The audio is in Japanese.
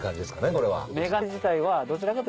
これは。